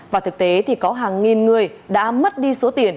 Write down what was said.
và thực tế thì có hàng nghìn người đã mất đi số tiền